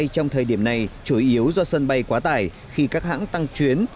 trong thời điểm này chủ yếu do sân bay quá tải khi các hãng tăng chuyến